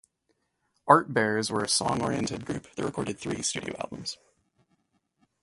Art Bears were a song-oriented group that recorded three studio albums.